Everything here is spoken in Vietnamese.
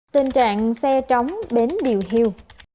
tình trạng xe trống bến điều hiu